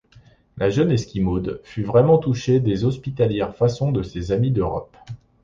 La jeune Esquimaude fut vraiment touchée des hospitalières façons de ses amis d’Europe.